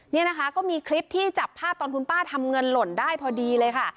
นี่นะคะก็มีคลิปที่จับภาพตอนคุณป้าทำเงินหล่นได้พอดีเลยค่ะ